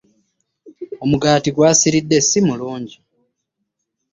Omugaati gwasiridde ssi mulungi.